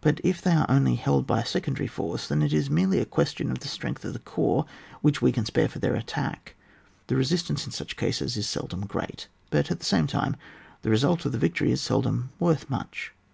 But if they are only held by a secondary force, then it is merely a question of the streng^ of the corps which we can spare for their attack. The resistance in such cases is seldom great, but at the same time the result of the victory is seldom worth much.